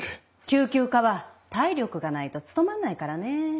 救急科は体力がないと務まんないからね。